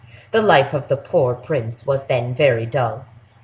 The life of the poor prince was then very dull.